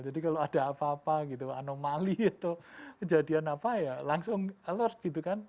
jadi kalau ada apa apa gitu anomali atau kejadian apa ya langsung alert gitu kan